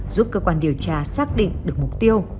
giúp cơ quan điều tra xác định được mục tiêu